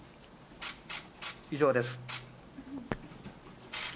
以上です。